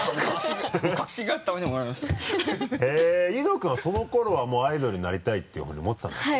柚乃君はその頃はもうアイドルになりたいっていうふうに思ってたんだっけ？